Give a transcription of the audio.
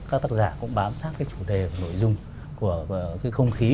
các tác giả cũng bám sát cái chủ đề và nội dung của cái không khí